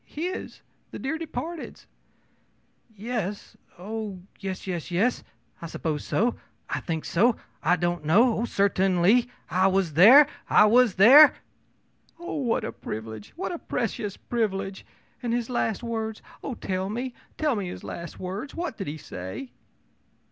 ō'His. The dear departed's.' ō'Yes! Oh, yes yes yes! I suppose so, I think so, I don't know! Oh, certainly I was there I was there!' ō'Oh, what a privilege! what a precious privilege! And his last words oh, tell me, tell me his last words! What did he say?'